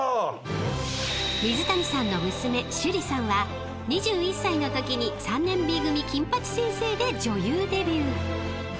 ［水谷さんの娘趣里さんは２１歳のときに『３年Ｂ組金八先生』で女優デビュー］